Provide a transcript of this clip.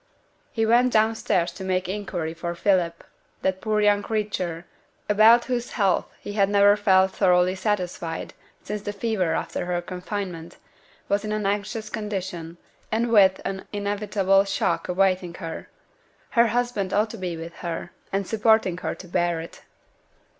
He went down stairs to make inquiry for Philip; that poor young creature, about whose health he had never felt thoroughly satisfied since the fever after her confinement, was in an anxious condition, and with an inevitable shock awaiting her. Her husband ought to be with her, and supporting her to bear it.